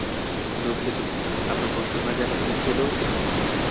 দুঃখিত, আপনার প্রশ্নটা যেন কী ছিল?